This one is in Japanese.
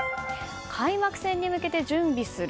開幕戦に向けて準備する。